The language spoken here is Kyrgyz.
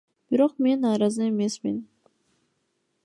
Бирок мен нааразы эмесмин.